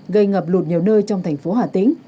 gây ngập lụt nhiều nơi trong thành phố hà tĩnh